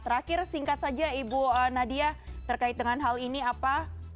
terakhir singkat saja ibu nadia terkait dengan hal ini apa